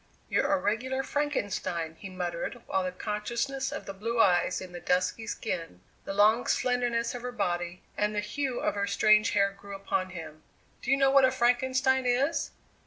"You're a regular Frankenstein," he muttered, while the consciousness of the blue eyes in the dusky skin, the long slenderness of her body, and the hue of her strange hair grew upon him. "Do you know what a Frankenstein is?"